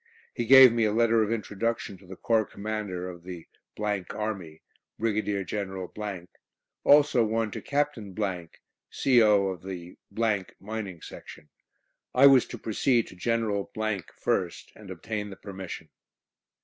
He gave me a letter of introduction to the Corps Commander of the Army, Brigadier General ; also one to Captain , C.O. of the Mining Section. I was to proceed to General first, and obtain the permission.